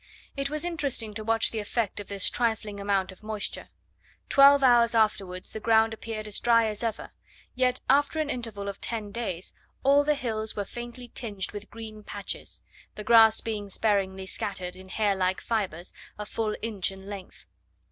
It was interesting to watch the effect of this trifling amount of moisture. Twelve hours afterwards the ground appeared as dry as ever; yet after an interval of ten days, all the hills were faintly tinged with green patches; the grass being sparingly scattered in hair like fibres a full inch in length.